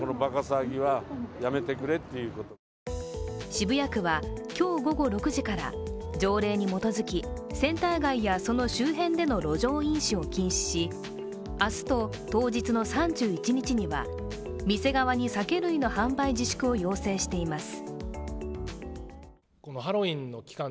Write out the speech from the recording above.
渋谷区は今日午後６時から条例に基づき、センター街やその周辺での路上飲酒を禁止し、明日と当日の３１日には、店側に酒類の販売自粛を要請しています。